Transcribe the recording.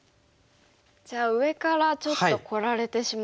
じゃあ上からちょっとこられてしまうんですね。